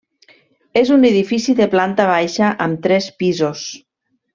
És un edifici de planta baixa amb tres pisos.